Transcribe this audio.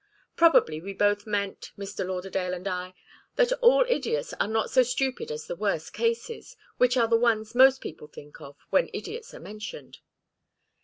"Probably we both meant Mr. Lauderdale and I that all idiots are not so stupid as the worst cases, which are the ones most people think of when idiots are mentioned."